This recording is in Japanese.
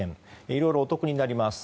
いろいろお得になります。